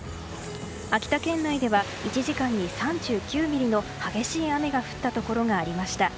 秋田県内では１時間に３９ミリの激しい雨が降ったところがありました。